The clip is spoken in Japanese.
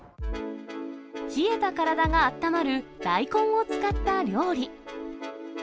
冷えた体があったまる、大根を使った料理。